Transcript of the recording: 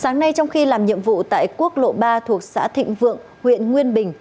sáng nay trong khi làm nhiệm vụ tại quốc lộ ba thuộc xã thịnh vượng huyện nguyên bình